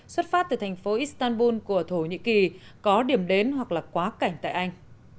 khác từ thành phố istanbul của thổ nhĩ kỳ có điểm đến hoặc là quá cảnh tại anh